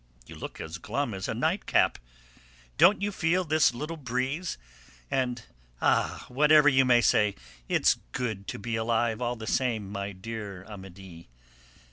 You look as glum as a night cap. Don't you feel this little breeze? Ah! whatever you may say, it's good to be alive all the same, my dear Amédée!"